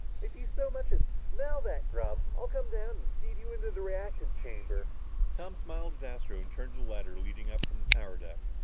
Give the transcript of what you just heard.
"If you so much as smell that grub, I'll come down and feed you into the reactant chamber!" Tom smiled at Astro and turned to the ladder leading up from the power deck.